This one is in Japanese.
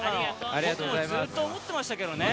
ずっと思ってましたけどね。